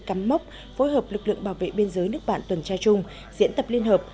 cắm mốc phối hợp lực lượng bảo vệ biên giới nước bạn tuần tra chung diễn tập liên hợp